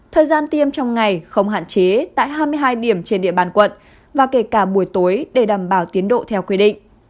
thời gian tiêm trong ngày không hạn chế tại hai mươi hai điểm trên địa bàn quận và kể cả buổi tối để đảm bảo tiến độ theo quy định